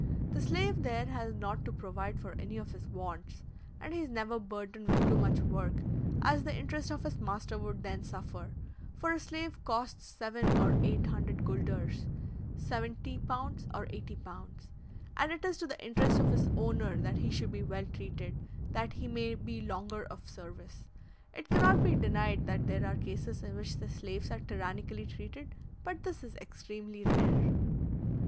The slave there has not to provide for any of his wants, and he is never burdened with too much work, as the interest of his master would then suffer; for a slave costs seven or eight hundred gulders (70 or 80 pounds), and it is to the interest of his owner that he should be well treated, that he may be longer of service. It cannot be denied that there are cases in which the slaves are tyrannically treated, but this is extremely rare.